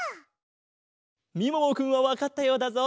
みももくんはわかったようだぞ。